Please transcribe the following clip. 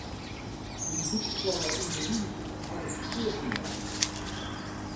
Myn dûkskoalle yn Belize haw ik ferkeapje moatten.